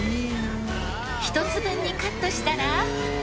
１つ分にカットしたら。